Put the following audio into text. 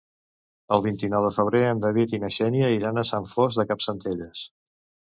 El vint-i-nou de febrer en David i na Xènia iran a Sant Fost de Campsentelles.